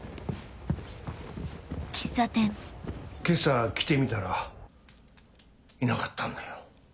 今朝来てみたらいなかったんだよ。